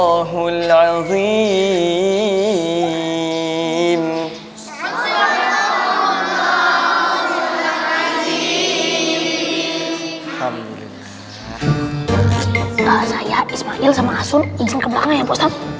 saya ismail sama asun ingin kembang ya pak ustadz